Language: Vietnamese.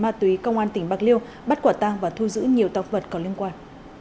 mạng tùy công an tỉnh bạc liêu bắt quả tàng và thu giữ nhiều tộc vật có liên quan